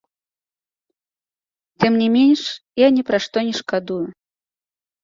Тым не менш, я ні пра што не шкадую.